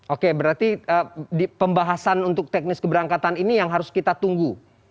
oke berarti pembahasan untuk teknis keberangkatan ini yang harus kita tunggu